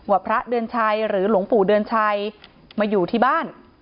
พระเดือนชัยหรือหลวงปู่เดือนชัยมาอยู่ที่บ้าน